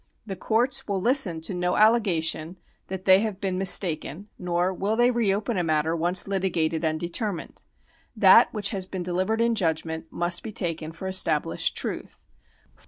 The courts will listen to no allegation that they have been mis taken, nor will they reopen a matter once litigated and deter mined. That which has been delivered in judgment must be taken for established truth.